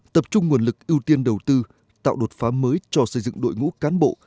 tập trung nguồn lực ưu tiên đầu tư tạo đột phá mới cho xây dựng đội ngũ cán bộ